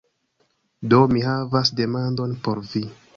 Do, mi havas demandon por vi.